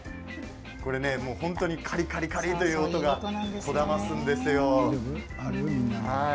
カリカリカリという音がこだまするんですよ。